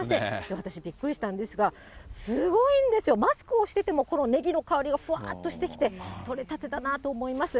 私、びっくりしたんですが、すごいんですよ、マスクをしててもこのねぎの香りがふわーっとしてきて、取れたてだなと思います。